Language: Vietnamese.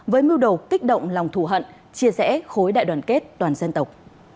với mưu đồ kích động lòng thù hận chia rẽ khối đại đoàn kết toàn dân tộc